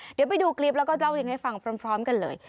เดี๋ยวไปดูคลิปแล้วก็เล่าวิงให้ฟังพร้อมกันเลย